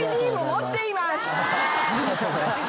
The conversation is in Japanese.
ありがとうございます。